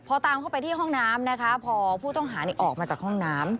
พอตามเข้าไปที่ห้องน้ำนะคะพอผู้ต้องหาออกมาจากห้องน้ำ